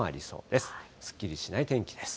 すっきりしない天気です。